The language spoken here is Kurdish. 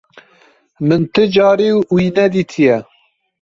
Min ti carî wî nedîtiye.